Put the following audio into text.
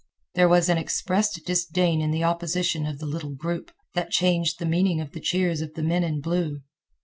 There was an expressed disdain in the opposition of the little group, that changed the meaning of the cheers of the men in blue.